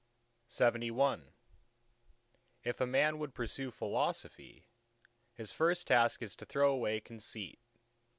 LXXII If a man would pursue Philosophy, his first task is to throw away conceit.